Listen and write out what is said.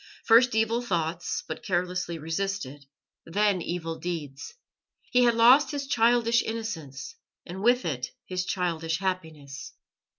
First evil thoughts, but carelessly resisted; then evil deeds. He had lost his childish innocence, and with it his childish happiness.